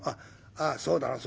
ああそうだろう。